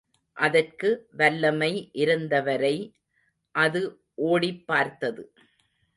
அதற்கு வல்லமை இருந்தவரை அது ஓடிப் பார்த்தது.